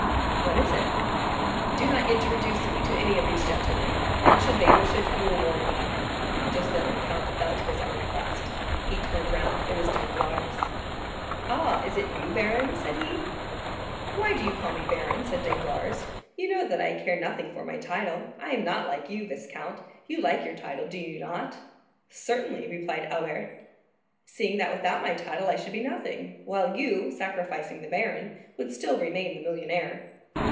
"What is it?" "Do not introduce me to any of these gentlemen; and should they wish it, you will warn me." Just then the count felt his arm pressed. He turned round; it was Danglars. "Ah! is it you, baron?" said he. "Why do you call me baron?" said Danglars; "you know that I care nothing for my title. I am not like you, viscount; you like your title, do you not?" "Certainly," replied Albert, "seeing that without my title I should be nothing; while you, sacrificing the baron, would still remain the millionaire."